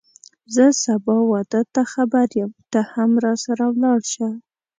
زه سبا واده ته خبر یم ته هم راسره ولاړ شه